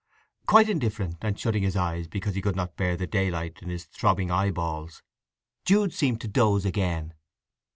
Quite indifferent, and shutting his eyes because he could not bear the daylight in his throbbing eye balls, Jude seemed to doze again.